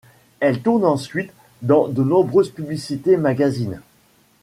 Elle tourne ensuite dans de nombreuses publicités, magazines.